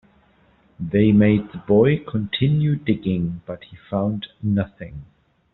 They made the boy continue digging, but he found nothing.